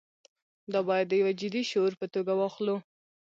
دا باید د یوه جدي شعور په توګه واخلو.